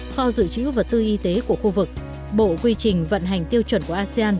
kho dự trữ vật tư y tế của khu vực bộ quy trình vận hành tiêu chuẩn của asean